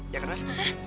ya kan nar